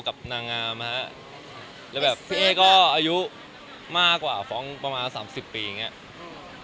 อเจมส์นางงามครับแล้วแบบพี่เอก็อายุมากกว่าฟ้องประมาณ๓๐ปีอย่างเงี้ย